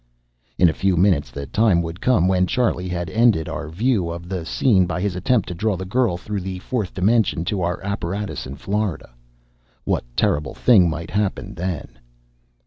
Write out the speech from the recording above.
In a few minutes the time would come when Charlie had ended our view of the scene by his attempt to draw the girl through the fourth dimension to our apparatus in Florida. What terrible thing might happen then?